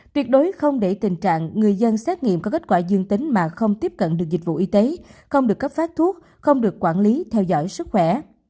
tuyệt đối không để tình trạng người dân xét nghiệm có kết quả dương tính mà không tiếp cận được dịch vụ y tế không được cấp phát thuốc không được quản lý theo dõi sức khỏe